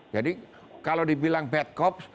jadi kalau dibilang bad cops